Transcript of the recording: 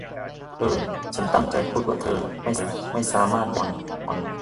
เออ ฉันตั้งใจจะพูดว่าเธอไม่สามารถอย่างแน่นอน